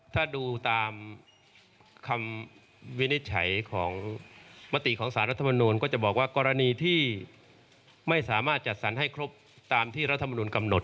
ถ้าดูตามคำวินิจฉัยของมติของสารรัฐมนูลก็จะบอกว่ากรณีที่ไม่สามารถจัดสรรให้ครบตามที่รัฐมนุนกำหนด